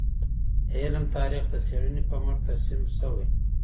د علم تاریخ د څېړنې په مټ ترسیم سوی.